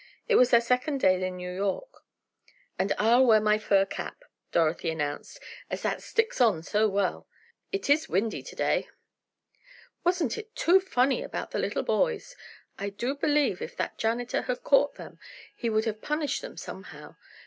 It was their second day in New York. "And I'll wear my fur cap," Dorothy announced, "as that sticks on so well. It is windy to day." "Wasn't it too funny about the little boys? I do believe if that janitor had caught them he would have punished them somehow.